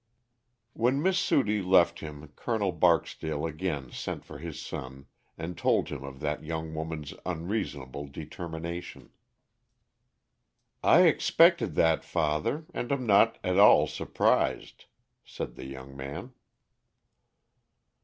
_ When Miss Sudie left him Col. Barksdale again sent for his son and told him of that young woman's unreasonable determination. "I expected that, father, and am not at all surprised," said the young man.